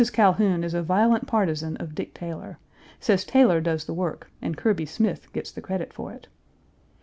Calhoun is a violent partizan of Dick Taylor; says Taylor does the work and Kirby Smith gets the credit for it.